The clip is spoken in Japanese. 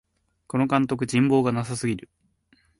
この監督、人望がなさすぎる